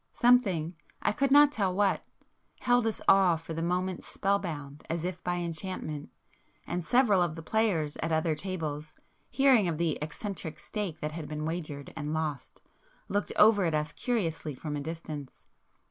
Something—I could not tell what—held us all for the moment spellbound as if by enchantment, and several of the players at other tables, hearing of the eccentric stake that had been wagered and lost, looked over at us curiously from a distance.